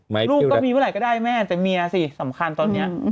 ลูกก็มีเมื่อไหร่ก็ได้แม่แต่เมียสิสำคัญตอนนี้